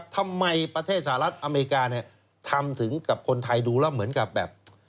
ประเทศสหรัฐอเมริกาเนี่ยทำถึงกับคนไทยดูแล้วเหมือนกับแบบ